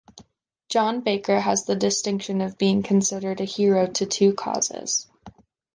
John Baker has the distinction of being considered a hero to two causes.